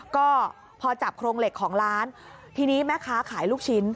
ก็พอจับโครงเหล็กของร้านทีนี้แม่ค้าขายลูกชิ้น